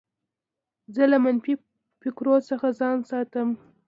زه له منفي فکرو څخه ځان ساتم.